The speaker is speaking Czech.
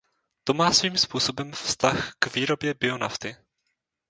To má svým způsobem vztah k výrobě bionafty.